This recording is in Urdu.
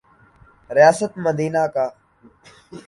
ریاست مدینہ کا۔